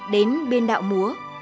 đến biên đạo múa